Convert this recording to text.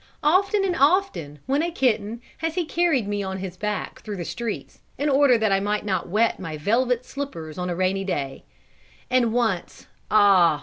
Often and often, when a kitten, has he carried me on his back through the streets, in order that I might not wet my velvet slippers on a rainy day: and once, ah!